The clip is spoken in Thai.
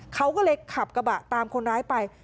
เขาก็เลยขับกระบะตามคนร้ายไป